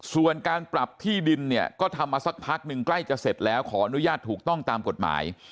ส่วนการปรับที่ดินเนี่ยก็ทำมาสักพักหนึ่งใกล้จะเสร็จแล้วขออนุญาตถูกต้องตามกฎหมาย